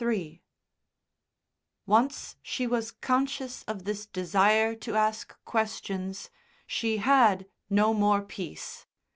III Once she was conscious of this desire to ask questions she had no more peace.